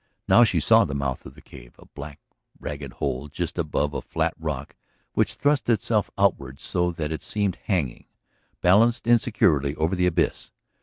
Now she saw the mouth of the cave, a black ragged hole just above a flat rock which thrust itself outward so that it seemed hanging, balanced insecurely, over the abyss.